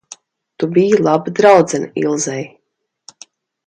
Tu biji laba draudzene Ilzei.